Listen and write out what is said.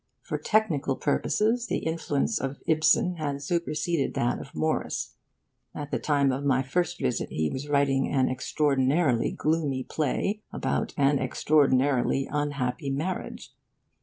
For technical purposes, the influence of Ibsen had superseded that of Morris. At the time of my first visit, he was writing an extraordinarily gloomy play about an extraordinarily unhappy marriage.